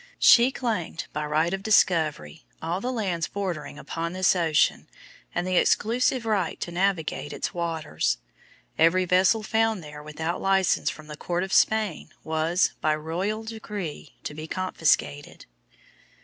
She claimed, by right of discovery, all the lands bordering upon this ocean and the exclusive right to navigate its waters. Every vessel found there without license from the court of Spain was, by royal decree, to be confiscated.